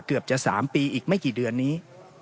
เกือบจะ๓ปีอีกไม่กี่เดือนนี้